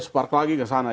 separk lagi ke sana